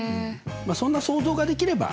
そんな想像ができればＯＫ。